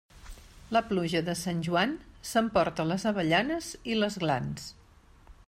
La pluja de Sant Joan s'emporta les avellanes i les glans.